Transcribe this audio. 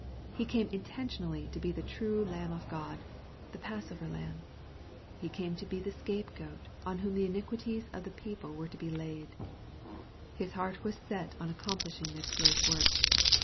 He came intentionally to be the true Lamb of God, the Passover Lamb. He came to be the Scape goat on whom the iniquities of the people were to be laid. His heart was set on accomplishing this great work.